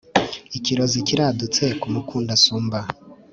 ikirozi kiradutse ku mukundansumba